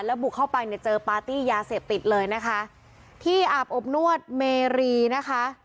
บุกเข้าไปเนี่ยเจอปาร์ตี้ยาเสพติดเลยนะคะที่อาบอบนวดเมรีนะคะ